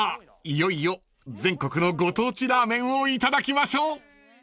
いよいよ全国のご当地ラーメンをいただきましょう］